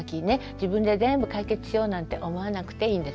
自分で全部解決しようなんて思わなくていいんです。